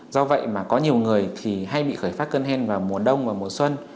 do vậy mà có nhiều người thì hay bị khởi phát cơn hen vào mùa đông và mùa xuân